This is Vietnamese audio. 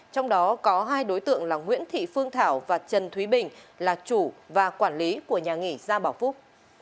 trong đó có hai đối tượng là nguyễn thị phương thảo và trần thúy bình là chủ và quản lý của nhà nghỉ gia bảo phúc